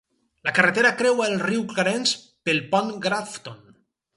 La carretera creua el riu Clarence pel pont Grafton.